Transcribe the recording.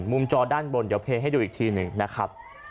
จอด้านบนเดี๋ยวเพลงให้ดูอีกทีหนึ่งนะครับ